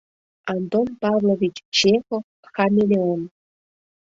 Антон Павлович ЧЕХОВ «ХАМЕЛЕОН»